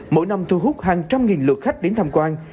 mỗi năm thu hút hàng trăm nghìn lượt khách đến tham quan